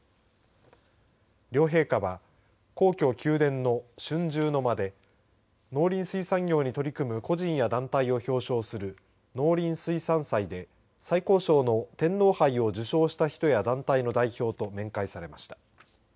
両陛下は皇居、宮殿の春秋の間で農林水産業に取り組む個人や団体を表彰する農林水産祭で最高賞の天皇杯を受賞した人や団体の代表と面会されました。